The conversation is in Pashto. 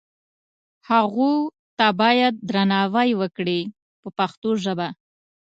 هغو ته باید درناوی وکړي په پښتو ژبه.